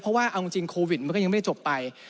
เพราะว่าเอาจริงโควิดมันก็ยังไม่ได้จบไป